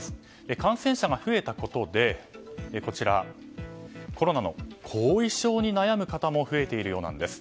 感染者が増えたことでコロナの後遺症に悩む方も増えているようなんです。